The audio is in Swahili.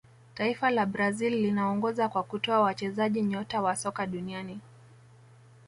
taifa la brazil linaongoza kwa kutoa wachezaji nyota wa soka duniani